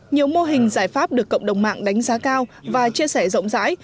nhiều mô hình giải pháp được cộng đồng mạng đánh giá cao và chia sẻ rộng rãi